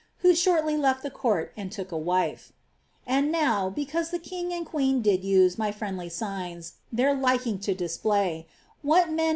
Who shortly left the court and took a wife. *And now. l)ecauj«o the king and queen did ntp By frit'ndly >ijrus, tluMr liking to display, What m!!